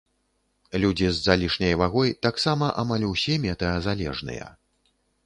Людзі з залішняй вагой таксама амаль усе метэазалежныя.